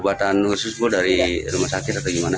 obatan khusus gue dari rumah sakit atau gimana